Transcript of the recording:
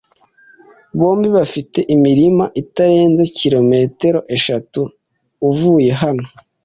Bombi bafite imirima itarenze kilometero eshatu uvuye hano.